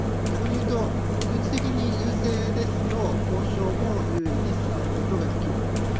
逆に言うと、軍事的に優勢ですと交渉も優位に進めることができる。